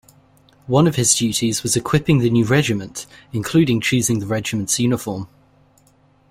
One of his duties was equipping the new regiment, including choosing the regiment's uniform.